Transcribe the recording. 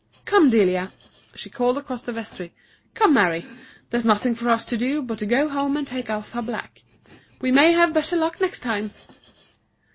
"Come, Delia," she called across the vestry; "come, Mary! There's nothing for us to do but to go home and take off our black. We may have better luck next time!"